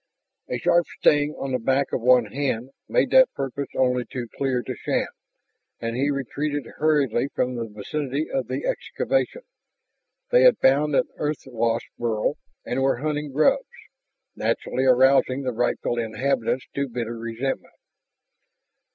A sharp sting on the back of one hand made that purpose only too clear to Shann, and he retreated hurriedly from the vicinity of the excavation. They had found an earth wasp's burrow and were hunting grubs, naturally arousing the rightful inhabitants to bitter resentment.